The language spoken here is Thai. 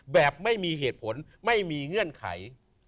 แบบไม่มีเหตุผลไม่มีเงื่อนไข